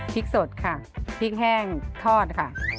พริกสดค่ะพริกแห้งทอดค่ะ